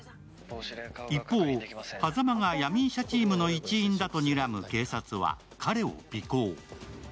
一方、羽佐間が闇医者チームの一員だとにらむ警察は彼を尾行。